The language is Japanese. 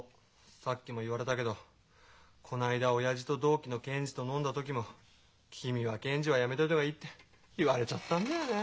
さっきも言われたけどこの間親父と同期の検事と飲んだ時も「君は検事はやめといた方がいい」って言われちゃったんだよね。